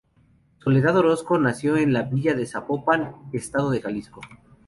Soledad Orozco nació en la villa de Zapopan, estado de Jalisco.